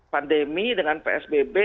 pandemi dengan psbb